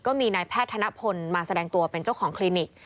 ก็มีนายแพทย์ธนพลมาแสดงตัวเป็นเจ้าของคลินิก